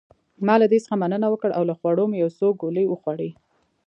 ما له دې څخه مننه وکړ او له خوړو مې یو څو ګولې وخوړې.